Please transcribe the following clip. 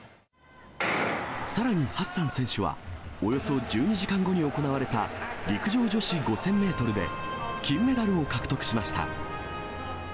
さらにハッサン選手は、およそ１２時間後に行われた陸上女子５０００メートルで金メダルを獲得しました。